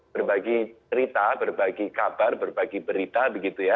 berbagi cerita berbagi kabar berbagi berita begitu ya